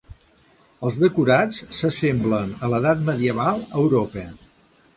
Els decorats s'assemblen a l'Edat Medieval a Europa.